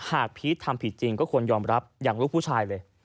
พีชทำผิดจริงก็ควรยอมรับอย่างลูกผู้ชายเลย